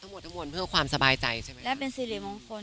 ทั้งหมดหรือเพื่อความสบายใจและสิริมงคล